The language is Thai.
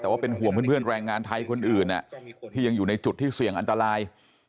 แต่ว่าเป็นห่วงเพื่อนแรงงานไทยคนอื่นที่ยังอยู่ในจุดที่เสี่ยงอันตราย